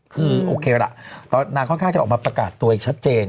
คือโอเคล่ะนางค่อนข้างจะออกมาประกาศตัวเองชัดเจน